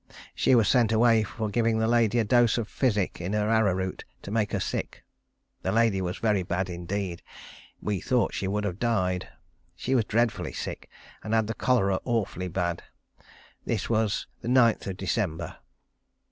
She was sent away for giving the lady a dose of physic in her arrow root to make her sick. The lady was very bad indeed. We thought she would have died. She was dreadfully sick, and had the cholera awfully bad. This was the 9th of December.